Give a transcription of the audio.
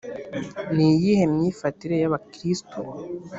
ni iyihe myifatire y’abakristu